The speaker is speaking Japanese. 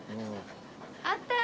あったー！